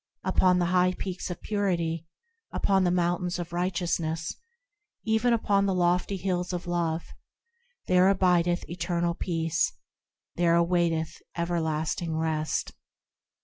Upon the high Peaks of Purity, Upon the Mountains of Righteousness, Even upon the lofty Hills of Love, There abideth eternal peace, There awaiteth everlasting rest.